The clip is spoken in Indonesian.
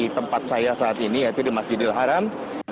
jadi di tempat saya saat ini yaitu di masjidil haram